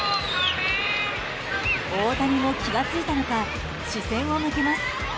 大谷も気が付いたのか視線を向けます。